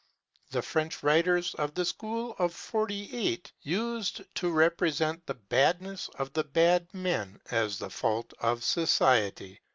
The French writers of the school of '48 used to represent the badness of the bad men as the fault of "society."